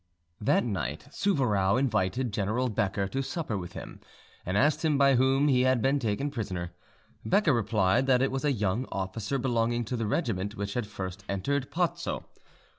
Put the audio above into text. That night Souvarow invited General Becker to supper with him, and asked him by whom he had been taken prisoner. Becker replied that it was a young officer belonging to the regiment which had first entered Pozzo.